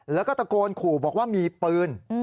แล้วก็ตะโกนขู่บอกว่ามีปืน